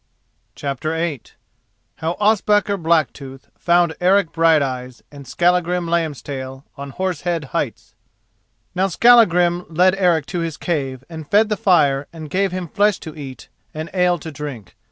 CHAPTER VIII HOW OSPAKAR BLACKTOOTH FOUND ERIC BRIGHTEYES AND SKALLAGRIM LAMBSTAIL ON HORSE HEAD HEIGHTS Now Skallagrim led Eric to his cave and fed the fire and gave him flesh to eat and ale to drink.